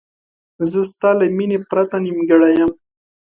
زه ستا له مینې پرته نیمګړی یم.